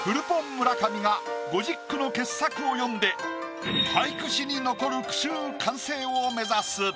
村上が５０句の傑作を詠んで俳句史に残る句集完成を目指す。